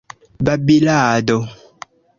babilado